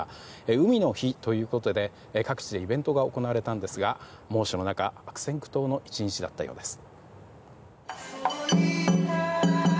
海の日ということで各地でイベントが行われたんですが猛暑の中悪戦苦闘の１日だったようです。